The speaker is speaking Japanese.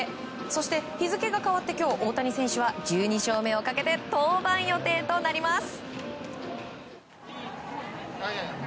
そして日付が変わって今日大谷選手は１２勝目をかけて登板予定となります。